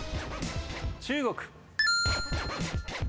中国。